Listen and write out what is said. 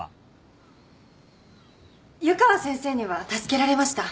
湯川先生には助けられました。